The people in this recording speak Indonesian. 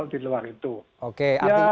di luar itu oke